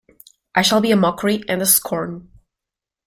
I shall be a mockery and a scorn.